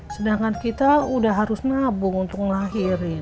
sedangkan kita udah harus nabung untuk ngahirin